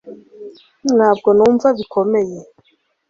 ntabwo numva bikomeye